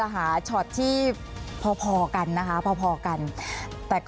รัฐบาลนี้ใช้วิธีปล่อยให้จนมา๔ปีปีที่๕ค่อยมาแจกเงิน